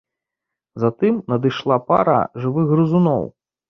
Затым надышла пара жывых грызуноў.